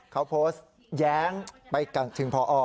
เขาโพสต์แย้งไปถึงพอ